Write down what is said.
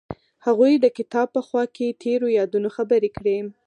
هغوی د کتاب په خوا کې تیرو یادونو خبرې کړې.